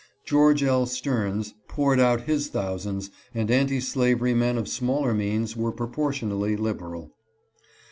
George L. Stearns poured out his thousands, and anti slavery men of smaller means were proportionally liberal.